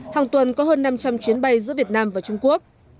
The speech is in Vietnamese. hàng tuần có hơn năm trăm linh chuyến bay giữa việt nam và trung quốc